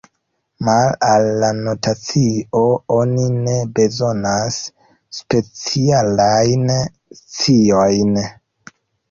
Male al la notacio oni ne bezonas specialajn sciojn.